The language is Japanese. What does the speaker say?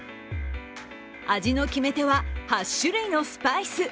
味の決め手は８種類のスパイス。